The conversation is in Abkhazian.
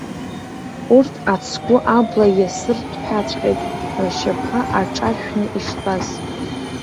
Урҭ ацгәы абла иасырҭәҳәаҵәҟьеит ршьапқәа аҿаршәны иштәаз.